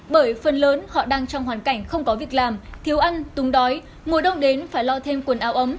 bởi phần lớn họ đang trong hoàn cảnh không có việc làm thiếu ăn tung đói mùa đông đến phải lo thêm quần áo ấm